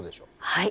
はい。